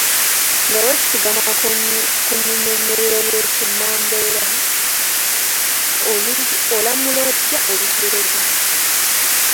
Nga weesigama ku nnyinyonnyolero y’ekinnambeera, olamula otya olugero luno?